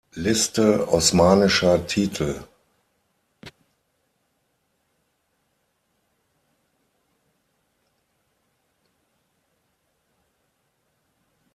Liste osmanischer Titel